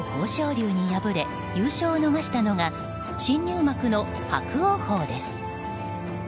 龍に敗れ優勝を逃したのが新入幕の伯桜鵬です。